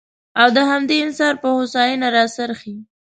او د همدې انسان پر هوساینه راڅرخي.